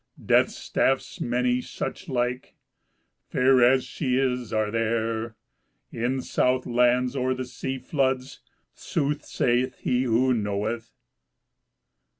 Death staffs many such like Fair as she is are there In south lands o'er the sea floods. Sooth saith he who knoweth."